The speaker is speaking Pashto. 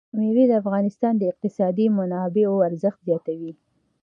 مېوې د افغانستان د اقتصادي منابعو ارزښت زیاتوي.